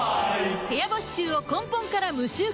部屋干し臭を根本から無臭化